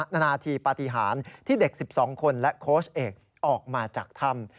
นาทีปฏิหารที่เด็ก๑๒คนและโค้ชเอกออกมาจากถ้ำ